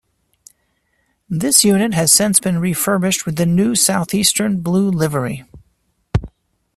This unit has since been refurbished with the new Southeastern blue livery.